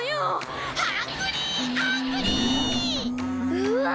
うわ！